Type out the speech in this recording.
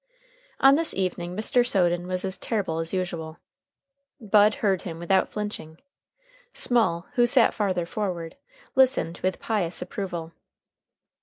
On this evening Mr. Soden was as terrible as usual. Bud heard him without flinching. Small, who sat farther forward, listened with pious approval.